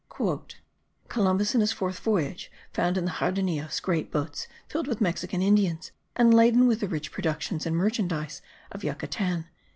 "Columbus in his fourth voyage found in the Jardinillos, great boats filled with Mexican Indians, and laden with the rich productions and merchandise of Yucatan."